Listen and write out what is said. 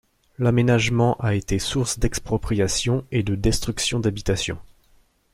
L'aménagement a été source d'expropriation et de destruction d'habitations.